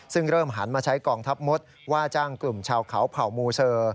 ซึ่งเริ่มหันมาใช้กองทัพมดว่าจ้างกลุ่มชาวเขาเผ่ามูเซอร์